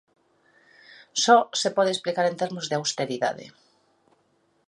Só se pode explicar en termos de austeridade.